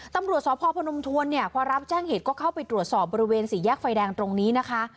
ตำรวจสพพนมทวนเนี่ยพอรับแจ้งเหตุก็เข้าไปตรวจสอบบริเวณสี่แยกไฟแดงตรงนี้นะคะ